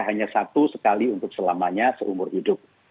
hanya satu sekali untuk selamanya seumur hidup